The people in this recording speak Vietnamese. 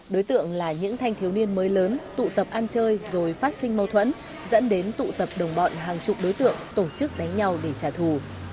đối tượng là những thanh thiếu niên mới lớn tụ tập ăn chơi rồi phát sinh mâu thuẫn dẫn đến tụ tập đồng bọn hàng chục đối tượng tổ chức đánh nhau để trả thù